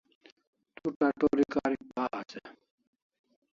Tu tatori karik bahas e?